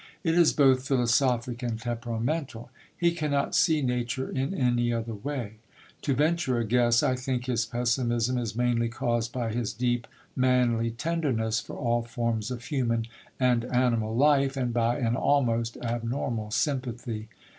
It is both philosophic and temperamental. He cannot see nature in any other way. To venture a guess, I think his pessimism is mainly caused by his deep, manly tenderness for all forms of human and animal life and by an almost abnormal sympathy.